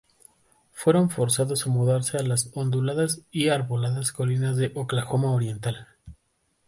Fueron forzados a mudarse a las onduladas y arboladas colinas de Oklahoma oriental.